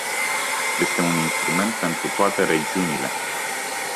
Este un instrument pentru toate regiunile.